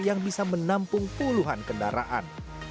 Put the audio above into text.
yang bisa menampung puluhan kendaraan